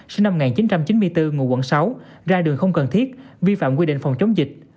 sinh năm một nghìn chín trăm chín mươi bốn ngụ quận sáu ra đường không cần thiết vi phạm quy định phòng chống dịch